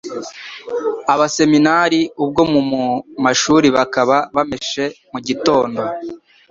Abaseminari ubwo mu mashuri Bakaba bameshe mu gitondo